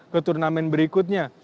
ke turnamen berikutnya